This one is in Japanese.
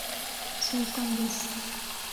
爽快です。